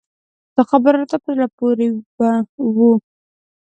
دا خبر راته په زړه پورې و.